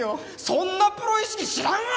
「そんなプロ意識知らんわ！」